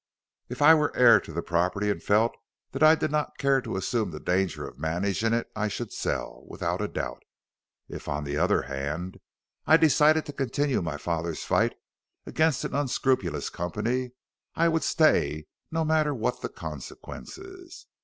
"If I were heir to the property and felt that I did not care to assume the danger of managing it I should sell, without doubt. If, on the other hand, I had decided to continue my father's fight against an unscrupulous company, I would stay no matter what the consequences.